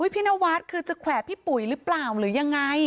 พี่นวัดคือจะแขวะพี่ปุ๋ยหรือเปล่าหรือยังไง